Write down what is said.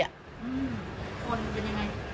คนเป็นยังไง